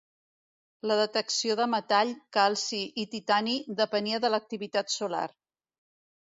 La detecció de metall, calci i titani depenia de l'activitat solar.